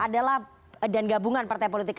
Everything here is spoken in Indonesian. dan gabungan partai politik